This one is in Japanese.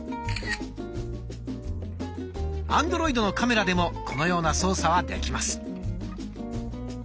アンドロイドのカメラでもこのような操作はできます。